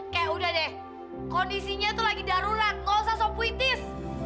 kayak udah deh kondisinya tuh lagi darurat ngolsa sopuitis